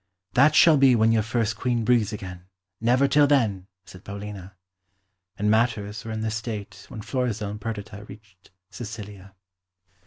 "That shall be when your first Queen breathes again never till then," said Paulina. And matters were in this state when Florizel and Perdita reached Sicilia.